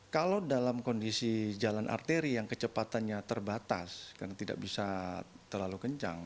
kalau dalam kondisi jalan arteri yang kecepatannya terbatas karena tidak bisa terlalu kencang